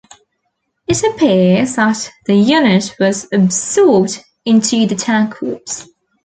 It appears that the unit was absorbed into the Tank Corps.